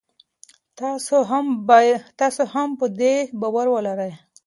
تاسي هم په دې باور ولرئ.